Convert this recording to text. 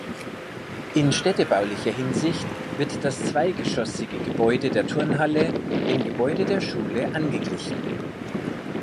In städtebaulicher Hinsicht wird das zweigeschossige Gebäude der Turnhalle dem Gebäude der Schule angeglichen.